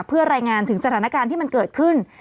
เพื่อรายงานถึงสถานการณ์ที่มันเกิดขึ้น